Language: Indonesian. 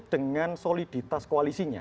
dengan soliditas koalisinya